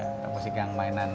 kotak musik yang mainan anak anak